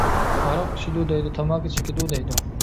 ھاراق ئىچىدۇ دەيدۇ، تاماكا چېكىدۇ دەيدۇ.